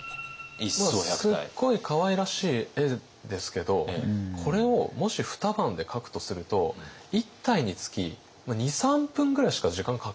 すっごいかわいらしい絵ですけどこれをもし二晩で描くとすると１体につき２３分ぐらいしか時間かけられないわけですよ。